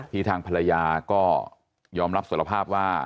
ทางภรรยาก็ยอมรับสารภาพว่า